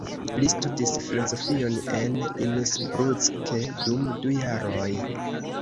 Li studis filozofion en Innsbruck dum du jaroj.